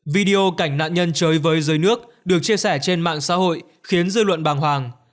video cảnh nạn nhân chơi với dưới nước được chia sẻ trên mạng xã hội khiến dư luận bàng hoàng